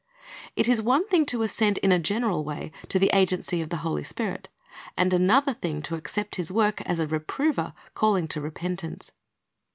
It is one thing to assent in a general way to the agency of the Holy Spirit, and another thing to accept His work as a reprover calling to repentance.